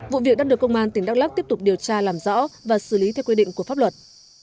vụ việc đã được công an tỉnh đắk lắc tiếp tục điều tra làm rõ và xử lý theo quy định của pháp luật